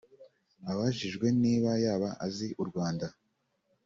Abajijwe niba yaba azi u Rwanda